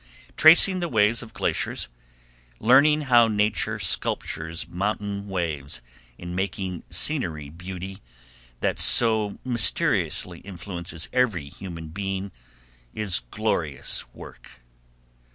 Tracing the ways of glaciers, learning how Nature sculptures mountain waves in making scenery beauty that so mysteriously influences every human being, is glorious work.